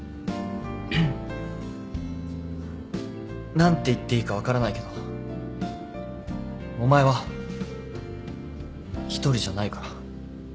何て言っていいか分からないけどお前は１人じゃないから。